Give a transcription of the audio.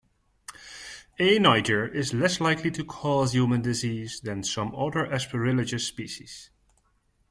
"A. niger" is less likely to cause human disease than some other "Aspergillus" species.